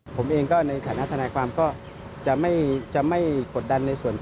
ผมเองในคณะธนายความก็จะไม่กดดัน